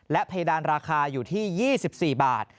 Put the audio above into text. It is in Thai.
เพดานราคาอยู่ที่๒๔บาท